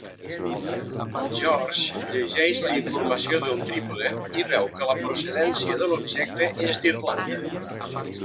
George llegeix la informació del trípode i veu que la procedència de l'objecte és d'Irlanda.